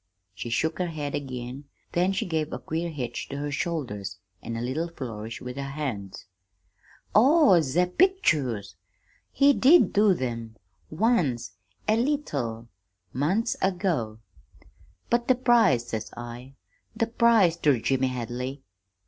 "She shook her head again; then she gave a queer hitch to her shoulders, and a little flourish with her hands. "'Oh ze pictures! He did do them once a leetle: months ago.' "'But the prize,' says I. 'The prize ter James Hadley!'